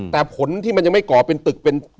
แต่ผลที่มันยังไม่ก่อเป็นตึกเป็น